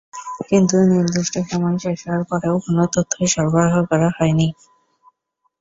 কিন্তু নির্দিষ্ট সময় শেষ হওয়ার পরেও কোনো তথ্য সরবরাহ করা হয়নি।